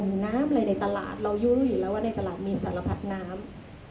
น้ำอะไรในตลาดเรายู่รู้อยู่แล้วว่าในตลาดมีสารพัดน้ำ